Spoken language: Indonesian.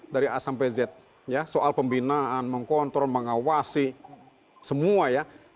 dari a sampai z ya soal pembinaan mengkontrol mengawasi semua ya